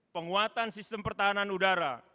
penguatan sistem pertahanan udara